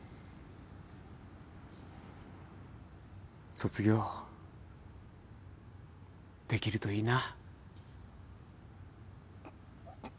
卒業できるといいな。